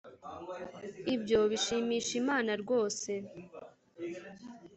ibyo bishimisha imana rwose